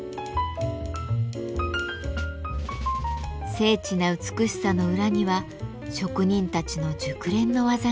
精緻な美しさの裏には職人たちの熟練の技がありました。